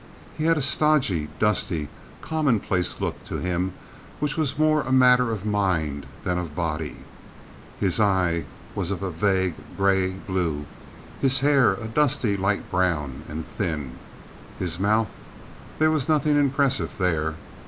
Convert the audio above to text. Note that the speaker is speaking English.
He had a stodgy, dusty, commonplace look to him which was more a matter of mind than of body. His eye was of vague gray blue; his hair a dusty light brown and thin. His mouth—there was nothing impressive there.